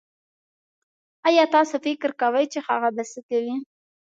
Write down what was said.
ايا تاسو فکر کوي چې هغه به سه کوئ